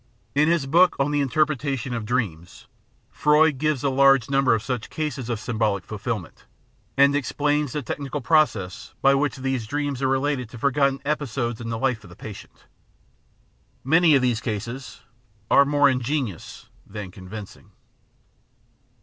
In his book on The Interpretation of Dreams, Freud gives a large number of such cases of symbolic fulfilment, and explains the technical processes by which these dreams are related to forgotten episodes in the life of the patient. Many of these cases are more ingenious than convincing.